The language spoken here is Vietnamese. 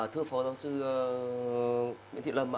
thưa phó giáo sư nguyễn thị lâm ạ